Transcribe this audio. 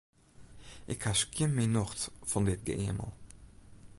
Ik ha skjin myn nocht fan dit geëamel.